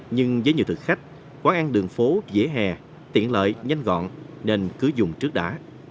nhưng với nhiều thực khách quán ăn đường phố dễ hè tiện lợi nhanh gọn nên cứ dùng trước đã